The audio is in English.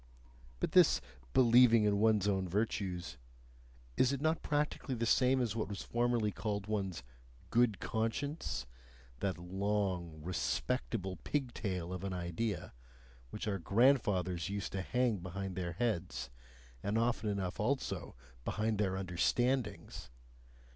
But this "believing in one's own virtues" is it not practically the same as what was formerly called one's "good conscience," that long, respectable pigtail of an idea, which our grandfathers used to hang behind their heads, and often enough also behind their understandings?